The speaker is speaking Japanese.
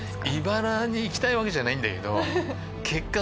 茨に行きたいわけじゃないんだけど結果